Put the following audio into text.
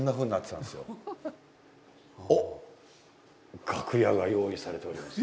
おっ楽屋が用意されております。